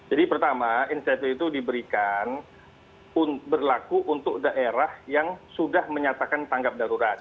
jadi pertama insentif itu diberikan berlaku untuk daerah yang sudah menyatakan tanggap darurat